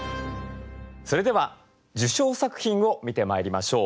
それでは受賞作品を見てまいりましょう。